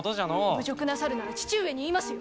侮辱なさるなら父上に言いますよ！